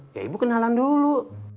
ya ibu kenalan dulu